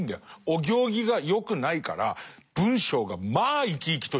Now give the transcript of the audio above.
お行儀が良くないから文章がまあ生き生きとしてる。